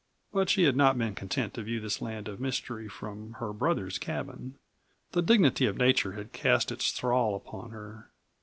But she had not been content to view this land of mystery from her brother's cabin. The dignity of nature had cast its thrall upon her.